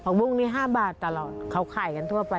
ผักปุ๊กนี่๕บาทตลอดเค้าขายกันทั่วไป